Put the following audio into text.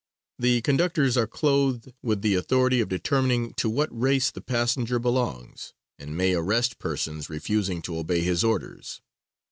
The conductors are clothed with the authority of determining to what race the passenger belongs, and may arrest persons refusing to obey his orders.